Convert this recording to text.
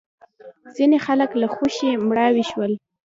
ځینې خلک له خوښۍ مړاوې شول.